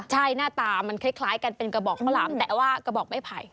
ใช่หน้าตามันคล้ายกันเป็นกระบอกข้าวหลามแต่ว่ากระบอกไม่ไผ่